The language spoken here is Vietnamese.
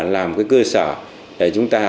làm cái cơ sở để chúng ta